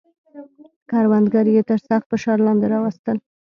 کروندګر یې تر سخت فشار لاندې راوستل.